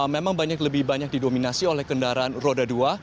memang lebih banyak didominasi oleh kendaraan roda dua